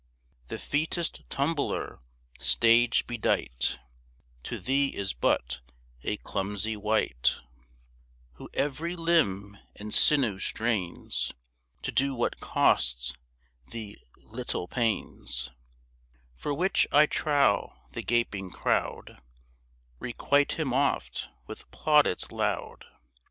The featest tumbler, stage bedight, To thee is but a clumsy wight, Who every limb and sinew strains To do what costs thee little pains; For which, I trow, the gaping crowd Requite him oft with plaudits loud.